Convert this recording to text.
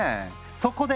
そこで！